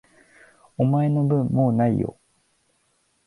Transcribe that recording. お前の分、もう無いよ。